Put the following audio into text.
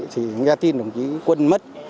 thì nghe tin đồng chí quân mất